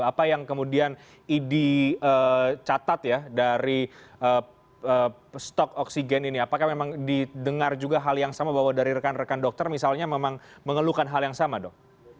apa yang kemudian dicatat ya dari stok oksigen ini apakah memang didengar juga hal yang sama bahwa dari rekan rekan dokter misalnya memang mengeluhkan hal yang sama dok